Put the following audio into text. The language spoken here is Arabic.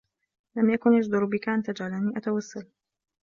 لم يكن يجدر بك أن تجعلني أتوسل.